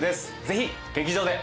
ぜひ劇場で。